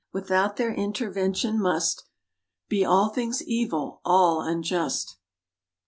Without their intervention must Be all things evil, all unjust.